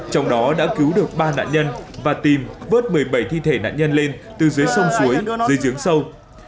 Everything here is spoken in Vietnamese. trong đó đã cứu được ba nạn nhân và tìm vớt một mươi bảy thi thể nạn nhân lên từ dưới sông suối dưới giếng sâu